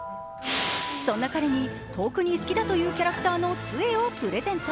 そんな彼に、特に好きだというキャラクターの杖をプレゼント。